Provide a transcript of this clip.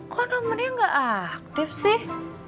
kok namanya gak aktif sih